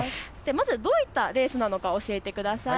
まずどういったレースなのか教えてください。